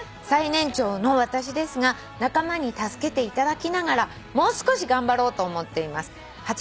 「最年長の私ですが仲間に助けていただきながらもう少し頑張ろうと思っています」